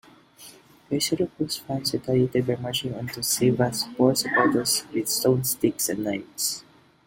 Kayserispor fans retaliated by marching onto the Sivasspor supporters with stones, sticks and knives.